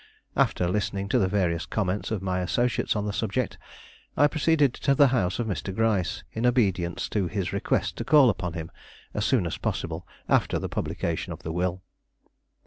After listening to the various comments of my associates on the subject, I proceeded to the house of Mr. Gryce, in obedience to his request to call upon him as soon as possible after the publication of the will.